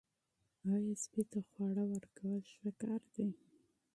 آیا سپي ته خواړه ورکول ښه کار دی؟